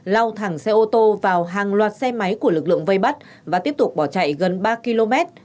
lao thẳng xe ô tô vào hàng loạt xe máy của lực lượng vây bắt và tiếp tục bỏ chạy gần ba km